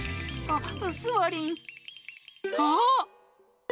あっ。